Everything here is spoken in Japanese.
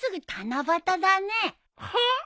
はあ？